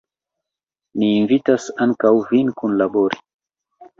Ni invitas ankaŭ vin kunlabori!